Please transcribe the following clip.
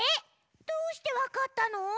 どうしてわかったの？